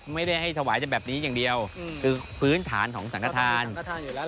ไม่ได้ให้ถวายแบบนี้อย่างเดียวอืมคือพื้นฐานของสังฆราณสังฆราณอยู่แล้วล่ะ